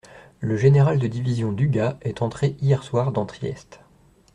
Le général de division Dugua est entré hier soir dans Trieste.